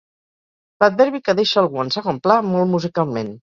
L'adverbi que deixa algú en segon pla molt musicalment.